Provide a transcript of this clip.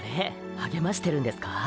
励ましてるんですかー？